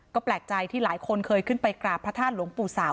ก็แปลกใจที่หลายคนเคยขึ้นไปกราบพระธาตุหลวงปู่สาว